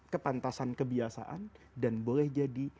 kepantasan kebiasaan dan boleh jadi